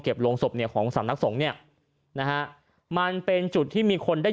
โรงศพเนี่ยของสำนักสงฆ์เนี่ยนะฮะมันเป็นจุดที่มีคนได้